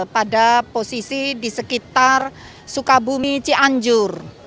pada posisi di sekitar sukabumi cianjur